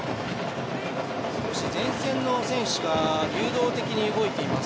少し前線の選手が流動的に動いています。